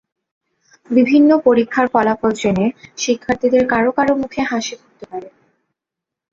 বিভিন্ন পরীক্ষার ফলাফল জেনে শিক্ষার্থীদের কারও কারও মুখে হাসি ফুটতে পারে।